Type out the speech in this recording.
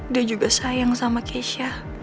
dia juga sayang sama keisha